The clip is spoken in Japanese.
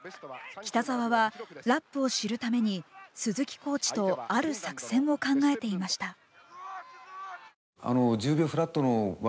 北沢は、ラップを知るために鈴木コーチと、ある作戦を考えていました。